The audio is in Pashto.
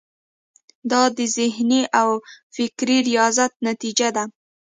دا د ذهني او فکري ریاضت نتیجه ده.